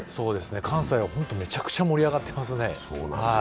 関西は本当めちゃくちゃ盛り上がっていますね。